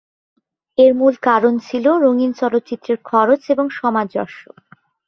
এর মূল কারণ ছিল রঙিন চলচ্চিত্রের খরচ এবং সামঞ্জস্য।